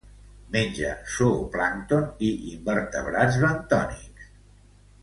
Menja zooplàncton i invertebrats bentònics.